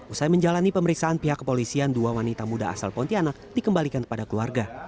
usai menjalani pemeriksaan pihak kepolisian dua wanita muda asal pontianak dikembalikan kepada keluarga